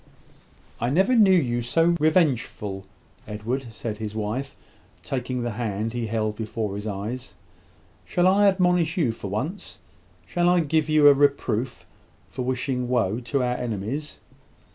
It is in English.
"I never knew you so revengeful, Edward," said his wife, taking the hand he held before his eyes. "Shall I admonish you for once? Shall I give you a reproof for wishing woe to our enemies?